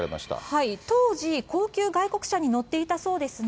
当時、高級外国車に乗っていたそうですね。